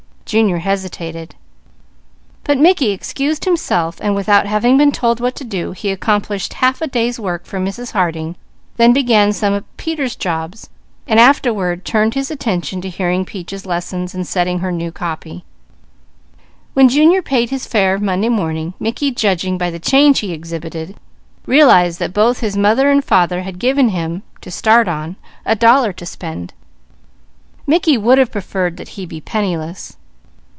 Junior hesitated, but Mickey excused himself and without having been told what to do, he accomplished half a day's work for Mrs. Harding, then began some of Peter's jobs and afterward turned his attention to hearing Peaches' lesson and setting her new copy. When Junior paid his fare Monday morning, Mickey, judging by the change he exhibited, realized that both his mother and father had given him, to start on, a dollar to spend. Mickey would have preferred that he be penniless.